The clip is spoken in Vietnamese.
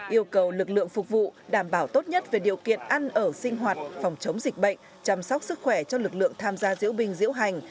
yêu cầu lực lượng phục vụ đảm bảo tốt nhất về điều kiện ăn ở sinh hoạt phòng chống dịch bệnh chăm sóc sức khỏe cho lực lượng tham gia diễu binh diễu hành